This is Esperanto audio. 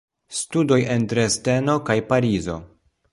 Studoj en Dresdeno kaj Parizo.